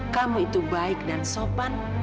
kamu itu baik dan sopan